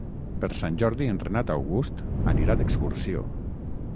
Per Sant Jordi en Renat August anirà d'excursió.